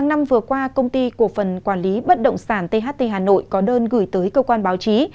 ngày hai mươi một năm vừa qua công ty cộng phần quản lý bất động sản tht hà nội có đơn gửi tới cơ quan báo chí